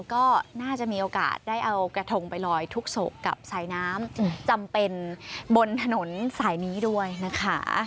ก็น่าจะมีโอกาสได้เอากระทงไปลอยทุกศพกับสายน้ำจำเป็นบนถนนสายนี้ด้วยนะคะ